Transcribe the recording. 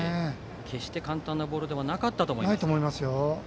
決して簡単なボールではなかったと思います。